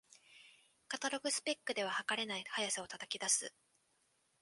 カタログスペックでは、はかれない速さを叩き出す